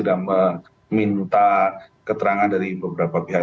dan meminta keterangan dari beberapa pihak